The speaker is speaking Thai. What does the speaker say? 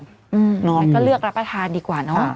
อืมก็เลือกรับตาถามดีกว่าเนอะ